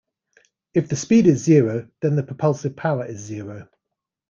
If the speed is zero, then the propulsive power is zero.